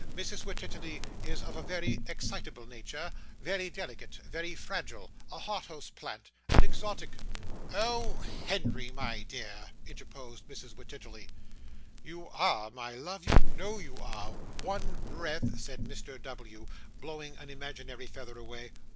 Mrs Wititterly is of a very excitable nature; very delicate, very fragile; a hothouse plant, an exotic.' 'Oh! Henry, my dear,' interposed Mrs. Wititterly. 'You are, my love, you know you are; one breath ' said Mr. W., blowing an imaginary feather away.